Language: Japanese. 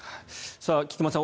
菊間さん